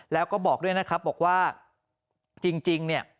แล้วก็บอกด้วยนะครับบอกว่าจริงเนี่ย